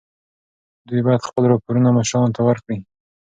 دوی باید خپل راپورونه مشرانو ته ورکړي.